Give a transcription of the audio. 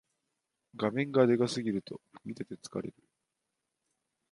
画面がでかすぎると見てて疲れる